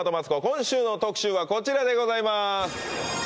今週の特集はこちらでございます